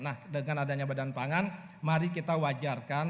nah dengan adanya badan pangan mari kita wajarkan